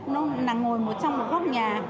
nó nằm ngồi trong một góc nhà